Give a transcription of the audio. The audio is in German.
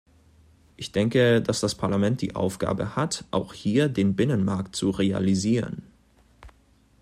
Ich denke, dass das Parlament die Aufgabe hat, auch hier den Binnenmarkt zu realisieren.